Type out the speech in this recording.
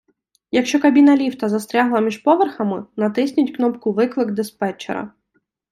Якщо кабіна ліфта застрягла міжповерхами, натисніть кнопку Виклик диспетчера